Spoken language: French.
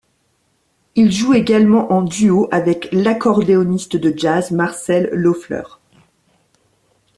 Il joue également en duo avec l'accordéoniste de jazz, Marcel Loeffler.